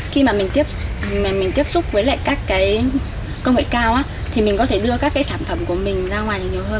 khi mà mình tiếp xúc với các công nghệ cao thì mình có thể đưa các sản phẩm của mình ra ngoài nhiều hơn